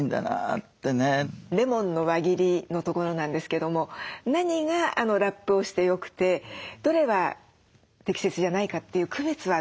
レモンの輪切りのところなんですけども何がラップをしてよくてどれは適切じゃないかっていう区別はどうしたらいいでしょう？